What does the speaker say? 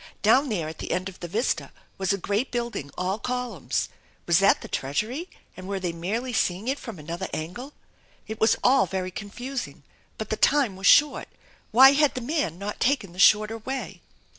Down there at the end of the vista was a great building all columns. Was that the Treasury and were they merely seeing it from another angle? It was all very confusing, but the time was short, why had the man not taken the shorter way